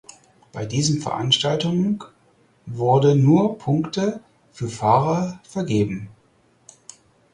Bei diesem Veranstaltung wurden nur Punkte für Fahrer vergeben.